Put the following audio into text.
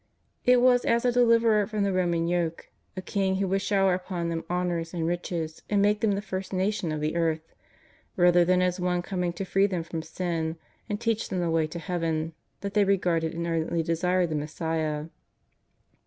It was as a deliverer from the Roman yoke, a king who would shower upon them honours and riches, and make them the first nation of the earth, rather than as One coming to free them from sin and teach them the way to Heaven, that they regarded and ardently desired the Messiah.